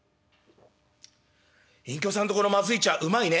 「隠居さんとこのまずい茶うまいね」。